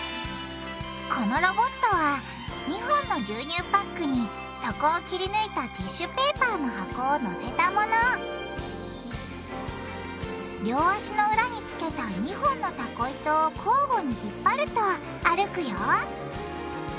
このロボットは２本の牛乳パックに底を切りぬいたティッシュペーパーの箱をのせたもの両足の裏につけた２本のタコ糸を交互に引っ張ると歩くよ